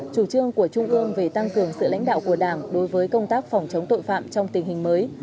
chủ trương của trung ương về tăng cường sự lãnh đạo của đảng đối với công tác phòng chống tội phạm trong tình hình mới